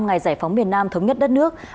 ngày giải phóng miền nam thống nhất đất nước